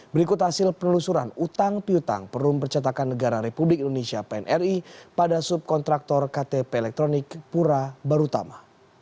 berikut hasil penelusuran utang piutang perum percetakan negara republik indonesia pnri pada subkontraktor ktp elektronik pura barutama